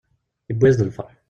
Yewwi-as-d lferḥ.